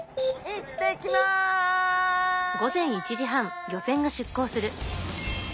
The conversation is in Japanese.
行ってきます！